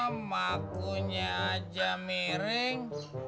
lo makunya aja miring